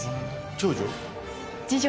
長女？